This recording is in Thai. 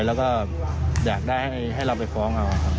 แล้วก็อยากได้ให้เราไปฟ้องเอาครับ